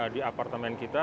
di apartemen kita